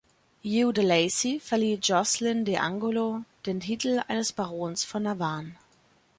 Hugh de Lacy verlieh Jocelyn de Angulo den Titel eines Barons von Navan.